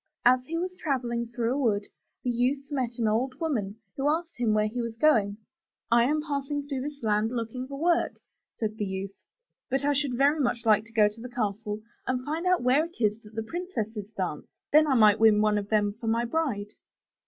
As he was travelling through a wood, the youth met an old woman who asked him where he was going. I am passing through this land looking for work,'* said the youth, *'but I should very much like to go to the castle and find out where it is that the princesses dance; then I might win one of them for my bride."